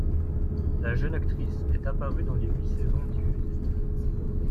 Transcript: La jeune actrice est apparue dans les huit saisons diffusées.